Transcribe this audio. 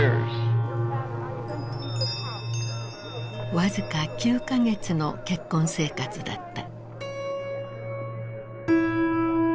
僅か９か月の結婚生活だった。